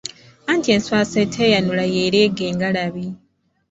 Anti enswaswa eteeyanula y’ereega engalabi.